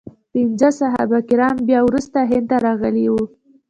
پنځه صحابه کرام بیا وروسته هند ته راغلي وو.